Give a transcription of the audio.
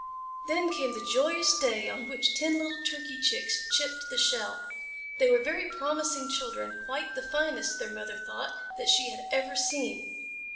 Then came the joyous day on which ten little Turkey Chicks chipped the shell. They were very promising children, quite the finest, their mother thought, that she had ever seen.